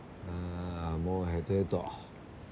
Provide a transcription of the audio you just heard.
ああもうへとへと。